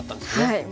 はい。